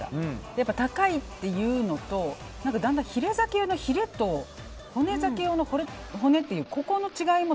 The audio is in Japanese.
やっぱり高いっていうのとだんだんヒレ酒のヒレと骨酒用の骨っていうここの違いも